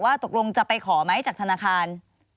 ตกลงจะไปขอไหมจากธนาคาร